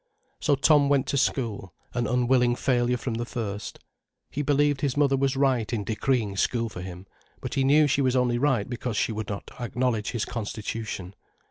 So Tom went to school, an unwilling failure from the first. He believed his mother was right in decreeing school for him, but he knew she was only right because she would not acknowledge his constitution.